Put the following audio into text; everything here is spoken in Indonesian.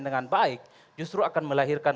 dengan baik justru akan melahirkan